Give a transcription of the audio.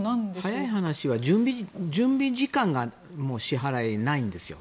早い話が準備時間が支払いないんですよ。